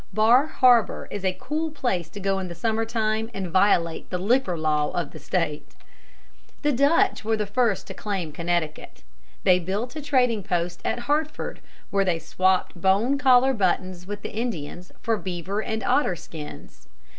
Bar Harbor is a cool place to go to in summer time and violate the liquor law of the State. [Illustration: SEDUCTIONS OF BAR HARBOR.] The Dutch were first to claim Connecticut. They built a trading post at Hartford, where they swapped bone collar buttons with the Indians for beaver and otter skins.